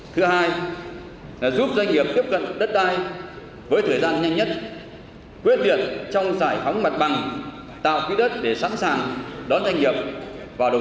thứ hai là giúp doanh nghiệp tiếp cận đất đai với thời gian nhanh nhất quyết biệt trong giải phóng mặt bằng tạo quý đất để sẵn sàng đón doanh nghiệp và đầu tư